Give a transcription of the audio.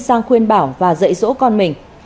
sang khuyên bảo và dạy dỗ con mình